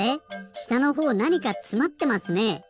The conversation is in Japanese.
したのほうなにかつまってますね？